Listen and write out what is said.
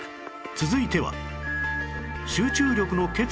続いては